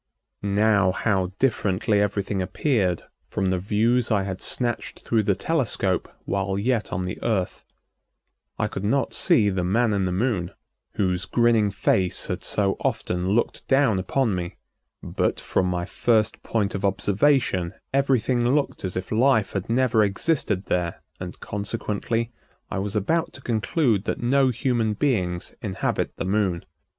Now how differently everything appeared from the views I had snatched through the telescope while yet on the Earth. I could not see the "Man in the Moon," whose grinning face had so often looked down upon me, but from my first point of observation everything looked as if life had never existed there and, consequently, I was about to conclude that no human beings inhabit the Moon.